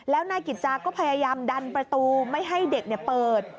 แล้วนายกิจจาก็พยายามดันประตูไม่ให้เด็กเปิด